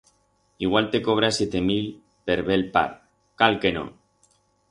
Igual te cobra siete mil per bel par... cal que no!